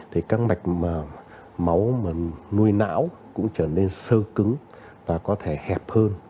thì các mạch máu mà nuôi não cũng trở nên sơ cứng và có thể hẹp hơn